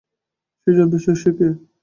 সে জানতে চায় সে কে।